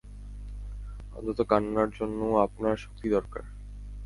অন্তত কান্নার জন্যও, আপনার শক্তি দরকার।